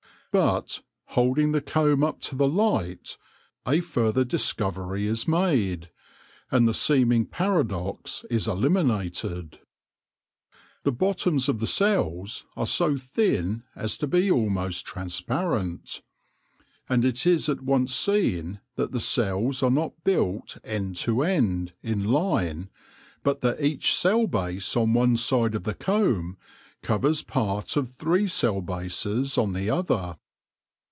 But, holding the comb up to the light, a further discovery is made, and the seeming paradox is eliminated. The bottoms of the cells are so thin as to be almost transparent, and it is at once seen that the cells are not built end to end, in line, but that each cell base on one side of the comb covers part of three cell bases on the other.